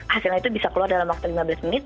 hasilnya itu bisa keluar dalam waktu lima belas menit